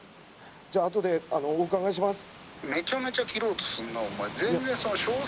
じゃああとでお伺いします。